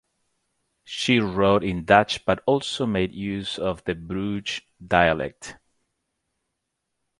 She wrote in Dutch but also made use of the Bruges dialect.